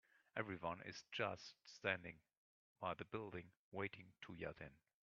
Everyone is just standing by the building, waiting to get in.